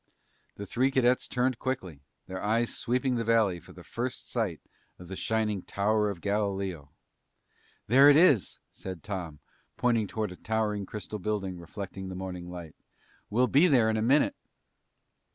The three cadets turned quickly, their eyes sweeping the valley for the first sight of the shining Tower of Galileo. "There it is," said Tom, pointing toward a towering crystal building reflecting the morning light. "We'll be there in a minute."